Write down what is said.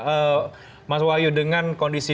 eee mas wahyu dengan kondisi